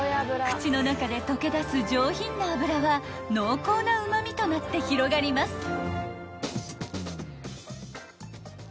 ［口の中で溶け出す上品な脂は濃厚なうま味となって広がります］